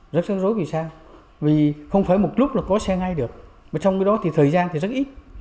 rất sáng rối vì sao vì không phải một lúc là có xe ngay được mà trong cái đó thì thời gian thì rất ít